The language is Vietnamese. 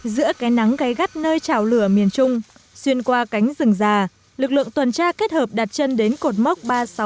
giữa cái nắng gây gắt nơi trào lửa miền trung xuyên qua cánh rừng già lực lượng tuần tra kết hợp đặt chân đến cột mốc ba trăm sáu mươi tám